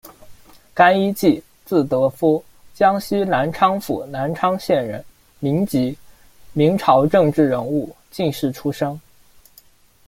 甘一骥，字德夫，江西南昌府南昌县人，民籍，明朝政治人物、进士出身。